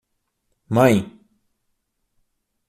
Mãe